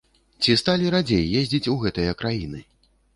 Ці сталі радзей ездзіць у гэтыя краіны?